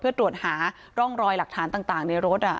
เพื่อตรวจหาร่องรอยหลักฐานต่างในรถ